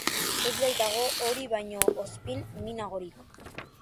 Ez baitago hori baino ozpin minagorik.